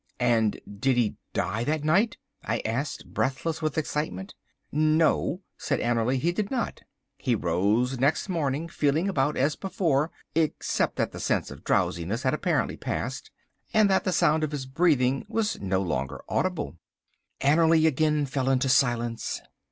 "And did he die that night?" I asked, breathless with excitement. "No," said Annerly, "he did not. He rose next morning feeling about as before except that the sense of drowsiness had apparently passed, and that the sound of his breathing was no longer audible." Annerly again fell into silence.